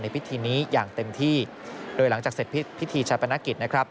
พิธีนี้อย่างเต็มที่โดยหลังจากเสร็จพิธีชาปนกิจนะครับ